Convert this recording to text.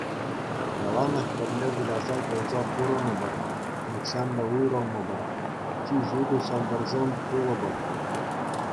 Яланах пӗрле выляса-кулса пурӑнӑпӑр, нихӑҫан та уйрӑлмӑпӑр, чи ҫутӑ ҫӑлтӑрсем пулӑпӑр.